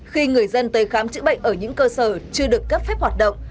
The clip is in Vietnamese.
khi người dân tới khám chữa bệnh ở những cơ sở chưa được cấp phép hoạt động